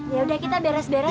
yaudah kita beres beresin